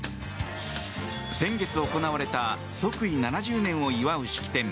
先月行われた即位７０年を祝う式典